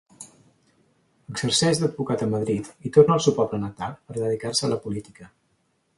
Exerceix d'advocat a Madrid i torna al seu poble natal per dedicar-se a la política.